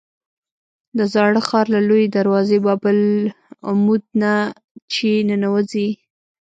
د زاړه ښار له لویې دروازې باب العمود نه چې ننوځې.